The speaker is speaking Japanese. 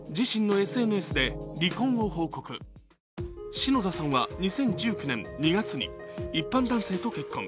篠田さんは２０１９年２月に一般男性と結婚。